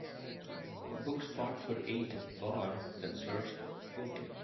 Book spot for eight at bar that serves potée